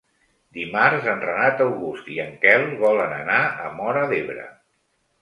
Dimarts en Renat August i en Quel volen anar a Móra d'Ebre.